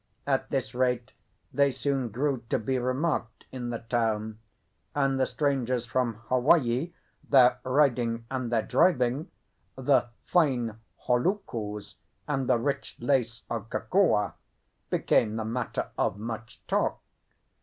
At this rate they soon grew to be remarked in the town; and the strangers from Hawaii, their riding and their driving, the fine holokus and the rich lace of Kokua, became the matter of much talk.